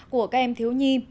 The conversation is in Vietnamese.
của các em thiếu nhi